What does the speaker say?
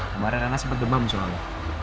kemarin rana sempat demam soalnya